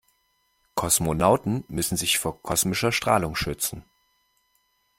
Kosmonauten müssen sich vor kosmischer Strahlung schützen.